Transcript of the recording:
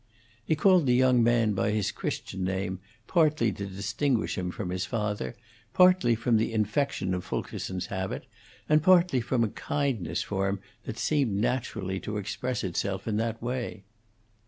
He called the young man by his Christian name partly to distinguish him from his father, partly from the infection of Fulkerson's habit, and partly from a kindness for him that seemed naturally to express itself in that way.